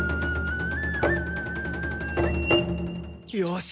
よし！